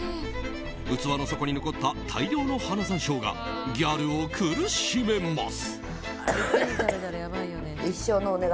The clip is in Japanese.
器の底に残った大量の花山椒がギャルを苦しめます。